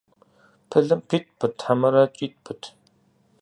Пылым питӏ пыт, хьэмэрэ кӏитӏ пыт?